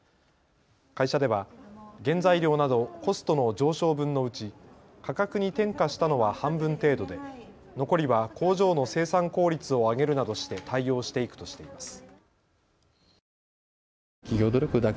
会社では原材料などコストの上昇分のうち価格に転嫁したのは半分程度で残りは工場の生産効率を上げるなどして対応していくとしています。